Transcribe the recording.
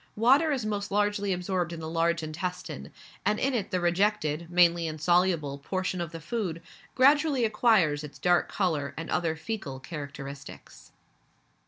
Water is most largely absorbed in the large intestine, and in it the rejected (mainly insoluble) portion of the food gradually acquires its dark colour and other faecal characteristics.